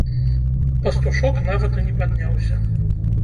Пастушок нават і не падняўся.